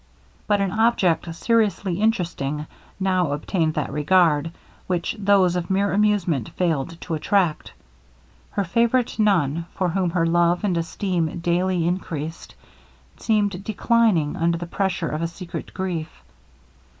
But an object seriously interesting now obtained that regard, which those of mere amusement failed to attract. Her favorite nun, for whom her love and esteem daily increased, seemed declining under the pressure of a secret grief.